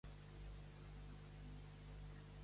M'omple de joia la cançó "Ghost Division".